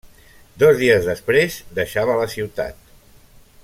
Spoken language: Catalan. Dos dies després, deixava la ciutat.